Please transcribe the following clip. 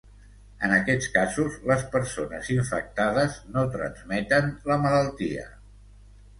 En aquests casos, les persones infectades no transmeten la malaltia.